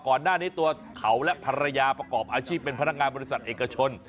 ก่อนหน้านี้ตัวเขาและภรรยาประกอบอาชีพเป็นพนักงานบริษัทเอกชน